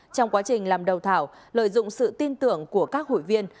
trong quá trình làm đầu thảo lợi dụng sự tin tưởng của các hội viên